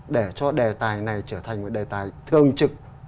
để cho đề tài này trở thành một đề tài thường trực